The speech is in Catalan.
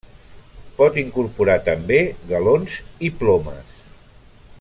Pot incorporar també galons i plomes.